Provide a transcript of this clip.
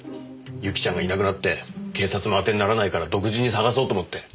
ユキちゃんがいなくなって警察も当てにならないから独自に捜そうと思って。